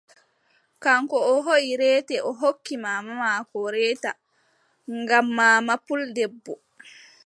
Kaŋko o hooʼi reete, o hokki maama boo reeta ngam maama puldebbo,